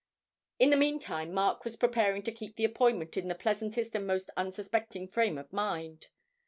In the meantime Mark was preparing to keep the appointment in the pleasantest and most unsuspecting frame of mind.